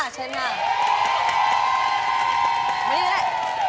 เชิญมาก